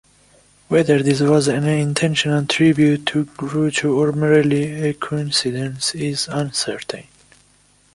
Whether this was an intentional tribute to Groucho, or merely a coincidence, is uncertain.